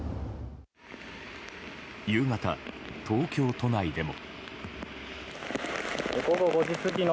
夕方、東京都内でも。